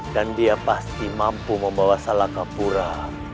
dan dia pasti mampu membawa salah kapura